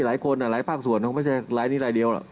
หลายคนอ่ะหลายภาคส่วนไม่ใช่หลายนี้หลายเดียว